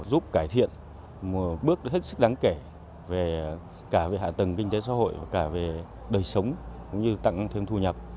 giúp cải thiện một bước hết sức đáng kể cả về hạ tầng kinh tế xã hội và cả về đời sống cũng như tăng thêm thu nhập